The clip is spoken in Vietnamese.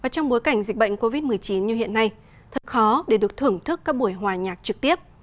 trong bối cảnh dịch bệnh covid một mươi chín như hiện nay thật khó để được thưởng thức các buổi hòa nhạc trực tiếp